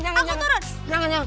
jangan jangan jangan